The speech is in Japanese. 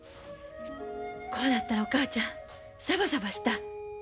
こうなったらお母ちゃんサバサバした。